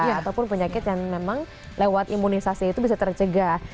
ataupun penyakit yang memang lewat imunisasi itu bisa tercegah